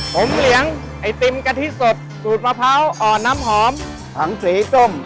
ผมเหลียงไอติ้มกะทิสดสูตรประเพาะอ่อนน้ำหอมหัมฝรกริ่บส้ม